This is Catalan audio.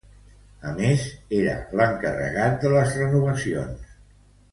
A més, era l'encarregat de les renovacions.